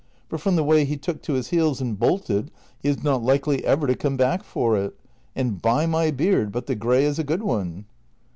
for, from the way he took to his heels and bolted, he is not likely ever to come back for it ; and by my beard but the gray is a good one."